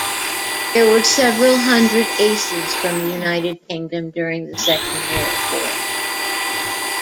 There were several hundred aces from the United Kingdom during the Second World War.